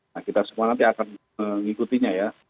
nah kita semua nanti akan mengikutinya ya